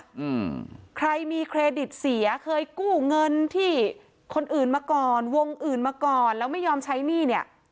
อืมใครมีเครดิตเสียเคยกู้เงินที่คนอื่นมาก่อนวงอื่นมาก่อนแล้วไม่ยอมใช้หนี้เนี้ย